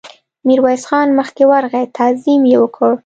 ميرويس خان مخکې ورغی، تعظيم يې وکړ.